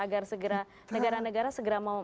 agar segera negara negara segera mau